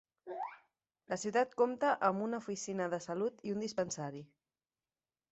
La ciutat compta amb una oficina de salut i un dispensari.